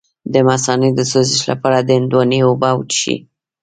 د مثانې د سوزش لپاره د هندواڼې اوبه وڅښئ